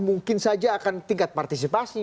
mungkin saja akan tingkat partisipasi